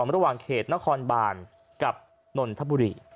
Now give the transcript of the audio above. ระหว่างเขตนครบานกับนนทบุรี